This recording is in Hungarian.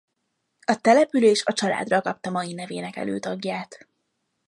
A település a családról kapta mai nevének előtagját.